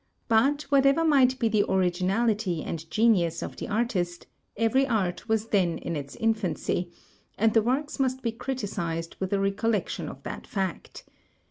But, whatever might be the originality and genius of the artist, every art was then in its infancy, and the works must be criticized with a recollection of that fact.